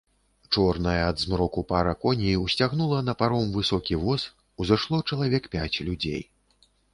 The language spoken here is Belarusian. Чорная ад змроку пара коней усцягнула на паром высокі воз, узышло чалавек пяць людзей.